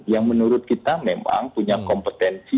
yang menurut kita memang punya kompetensi